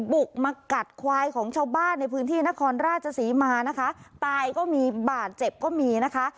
บุกมากัดควายของชาวบ้านในพื้นที่นครราชศรีมานะคะตายก็มีบาดเจ็บก็มีนะคะ